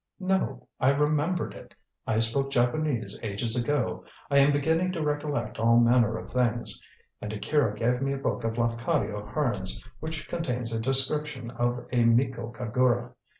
"No; I remembered it. I spoke Japanese ages ago. I am beginning to recollect all manner of things. And Akira gave me a book of Lafcadio Hearn's, which contains a description of a Miko kagura.